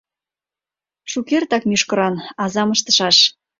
Шукертак мӱшкыран, азам ыштышаш.